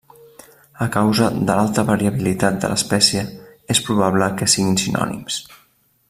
A causa de l'alta variabilitat de l'espècie, és probable que siguin sinònims.